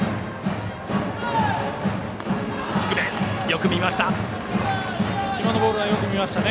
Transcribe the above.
よく見ました。